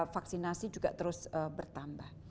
vaksinasi juga terus bertambah